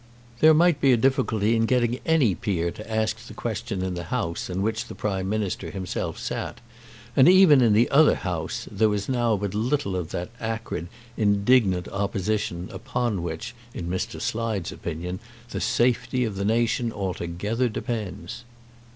There might be a difficulty in getting any peer to ask the question in the House in which the Prime Minister himself sat, and even in the other House there was now but little of that acrid, indignant opposition upon which, in Mr. Slide's opinion, the safety of the nation altogether depends.